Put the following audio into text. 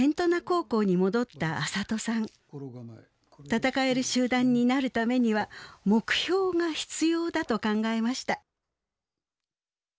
戦える集団になるためには目標が必要だと考えました。